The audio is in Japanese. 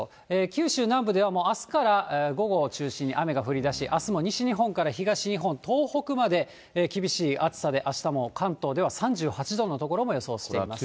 九州南部では、もうあすから午後を中心に雨が降りだし、あすも西日本から東日本、東北まで厳しい暑さで、あしたも関東では３８度の所も予想しています。